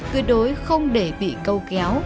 tuyệt đối không để bị câu kéo